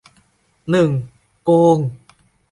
หนึ่ง โกง